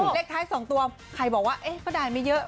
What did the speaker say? เลขท้าย๒ตัวใครบอกว่าเอ๊ะก็ได้ไม่เยอะ